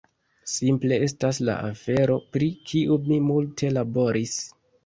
simple estas la afero pri kiu mi multe laboris